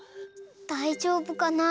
だいじょうぶかな？